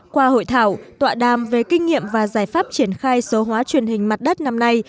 qua hội thảo tọa đàm về kinh nghiệm và giải pháp triển khai số hóa truyền hình mặt đất năm nay